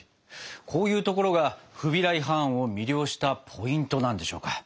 こういうところがフビライ・ハーンを魅了したポイントなんでしょうか。